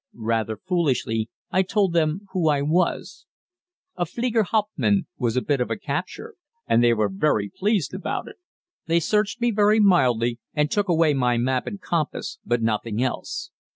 Rather foolishly I told them who I was. A "Flieger Hauptmann" was a bit of a capture, and they were very pleased about it. They searched me very mildly, and took away my map and compass but nothing else.